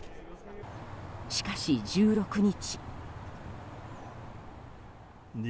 しかし、１６日。